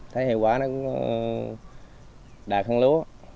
thấy hiệu quả nó cũng đạt hơn lúa